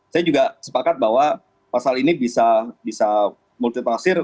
saya juga sepakat bahwa pasal ini bisa multitafsir